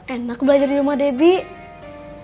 enak belajar di rumah debbie